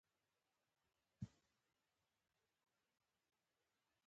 د کثرت پالنې او قانون واکمنۍ ترمنځ توپیر شتون لري.